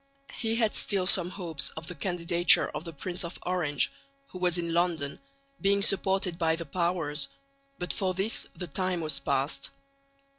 He had still some hopes of the candidature of the Prince of Orange (who was in London) being supported by the Powers, but for this the time was past.